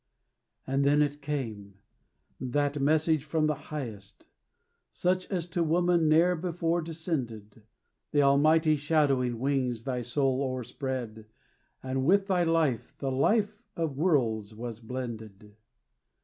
And then it came, that message from the Highest, Such as to woman ne'er before descended; Th' almighty shadowing wings thy soul o'erspread, And with thy life the Life of worlds was blended.